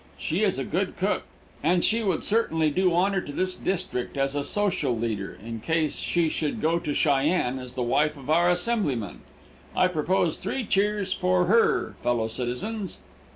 She is a good cook, and she would certainly do honor to this district as a social leader, in case she should go to Cheyenne as the wife of our assemblyman. I propose three cheers for her, fellow citizens."